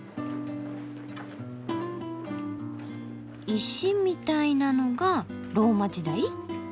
石みたいなのがローマ時代？